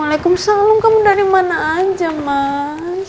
waalaikumsalam kamu dari mana aja mas